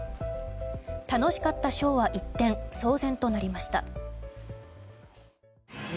楽しかったショーは一転騒然となりました。